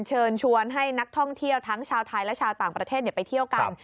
เชิญชวนให้นักท่องเที่ยวทั้งชาวไทยและชาวต่างประเทศไปเที่ยวกัน